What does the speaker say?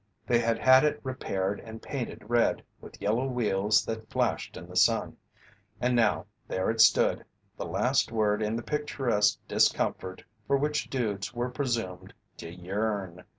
They had had it repaired and painted red, with yellow wheels that flashed in the sun. And now, there it stood the last word in the picturesque discomfort for which dudes were presumed to yearn!